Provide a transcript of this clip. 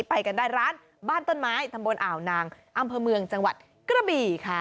ไปกันได้ร้านบ้านต้นไม้ตำบลอ่าวนางอำเภอเมืองจังหวัดกระบี่ค่ะ